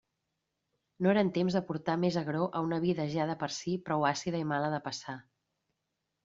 No eren temps d'aportar més agror a una vida ja de per si prou àcida i mala de passar.